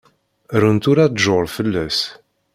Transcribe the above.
Runt ula tjur fell-as.